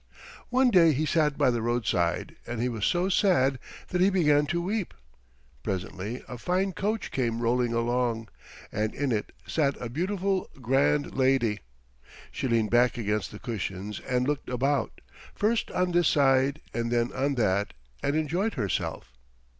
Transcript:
One day he sat by the roadside, and he was so sad that he began to weep. Presently a fine coach came rolling along, and in it sat a beautiful, grand lady. She leaned back against the cushions and looked about, first on this side and then on that, and enjoyed herself.